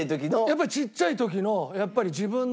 やっぱりちっちゃい時のやっぱり自分の。